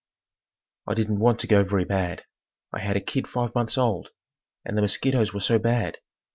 I didn't want to go very bad. I had a kid five months old and the mosquitoes were so bad.